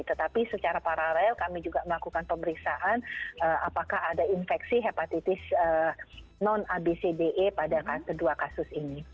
tetapi secara paralel kami juga melakukan pemeriksaan apakah ada infeksi hepatitis non abcde pada kedua kasus ini